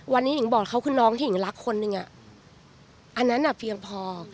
วันนี้หิงบอกเขาคือน้องที่หิงรักคนนึงอันนั้นเพียงพอ